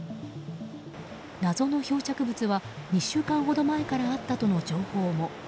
謎の漂着物は２週間ほど前からあったとの情報も。